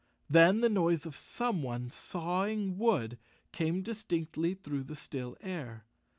Then the noise of someone sawing wood came distinctly through the still air.